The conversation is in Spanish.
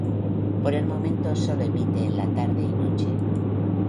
Por el momento solo emite en la tarde y noche.